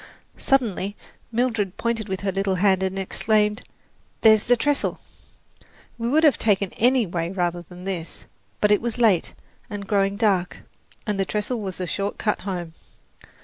Suddenly Mildred pointed with her little hand and exclaimed, "There's the trestle!" We would have taken any way rather than this; but it was late and growing dark, and the trestle was a short cut home.